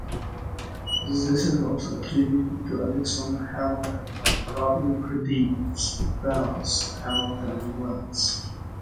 This is also attributed to Alexander Hamilton, but probably predates both Hamilton and Vance.